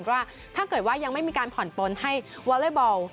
ว่าถ้าเกิดว่ายังไม่มีการผ่อนปนให้วอเล็กบอล